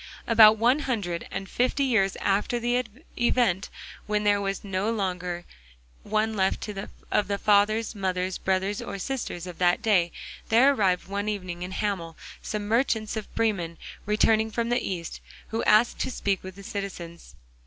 About one hundred and fifty years after the event, when there was no longer one left of the fathers, mothers, brothers or sisters of that day, there arrived one evening in Hamel some merchants of Bremen returning from the East, who asked to speak with the citizens.